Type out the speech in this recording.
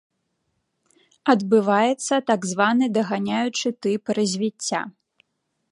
Адбываецца так званы даганяючы тып развіцця.